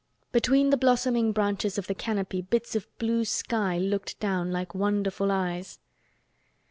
Between the blossoming branches of the canopy bits of blue sky looked down like wonderful eyes.